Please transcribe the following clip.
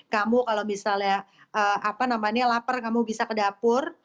kamu kalau misalnya lapar kamu bisa ke dapur